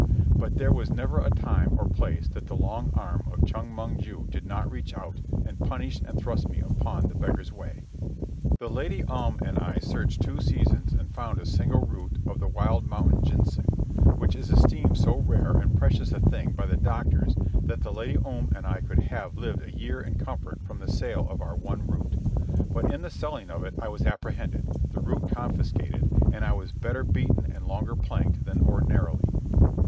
But there was never a time or place that the long arm of Chong Mong ju did not reach out and punish and thrust me upon the beggar's way. The Lady Om and I searched two seasons and found a single root of the wild mountain ginseng, which is esteemed so rare and precious a thing by the doctors that the Lady Om and I could have lived a year in comfort from the sale of our one root. But in the selling of it I was apprehended, the root confiscated, and I was better beaten and longer planked than ordinarily.